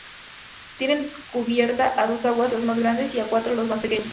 Tienen cubierta a dos aguas los más grandes y a cuatro los más pequeños.